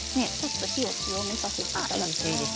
火を強めさせていただいて。